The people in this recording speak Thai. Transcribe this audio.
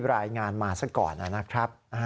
รายงานมาซะก่อนนะครับ